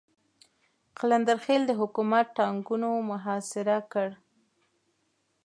قلندر خېل د حکومت ټانګونو محاصره کړ.